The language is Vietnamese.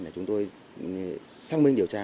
để chúng tôi xác minh điều tra